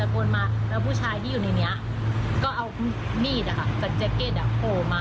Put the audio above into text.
ซึ่งเราไม่รู้ว่าฝั่งมนุษย์มีจริงไหม